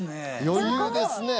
余裕ですね。